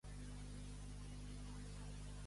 Com un gos sense collar.